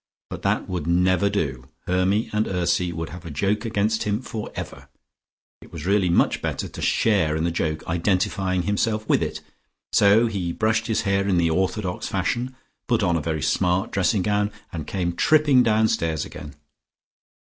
But that would never do: Hermy and Ursy would have a joke against him forever. It was really much better to share in the joke, identifying himself with it. So he brushed his hair in the orthodox fashion, put on a very smart dressing gown, and came tripping downstairs again.